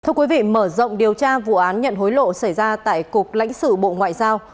thưa quý vị mở rộng điều tra vụ án nhận hối lộ xảy ra tại cục lãnh sự bộ ngoại giao